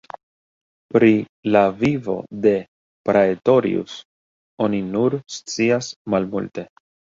Pri la vivo de Praetorius oni nur scias malmulte.